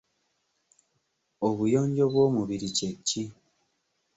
Obuyonjo bw'omubiri kye ki?